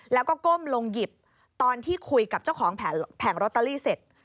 แล้วก็ก้มลงหยิบตอนที่คุยกับเจ้าของแผงลอตเตอรี่เสร็จ